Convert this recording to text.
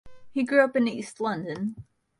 He grew up in East London.